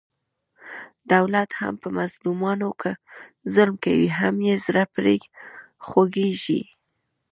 دولت هم په مظلومانو ظلم کوي، هم یې زړه پرې خوګېږي.